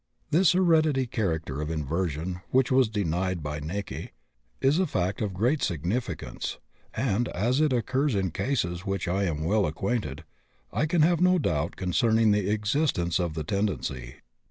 This hereditary character of inversion (which was denied by Näcke) is a fact of great significance, and, as it occurs in cases with which I am well acquainted, I can have no doubt concerning the existence of the tendency.